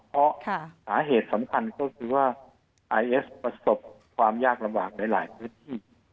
เพราะสาเหตุสำคัญก็คือว่าไอเอสประสบความยากลำบากในหลายพื้นที่